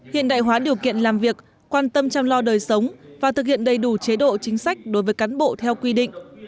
hiện đại hóa điều kiện làm việc quan tâm chăm lo đời sống và thực hiện đầy đủ chế độ chính sách đối với cán bộ theo quy định